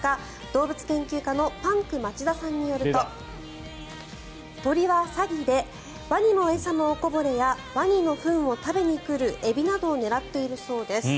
動物研究家のパンク町田さんによると鳥はサギでワニの餌のおこぼれやワニのフンを食べにくるエビなどを狙っているそうです。